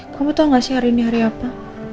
kamu tau gak sih hari ini hari apa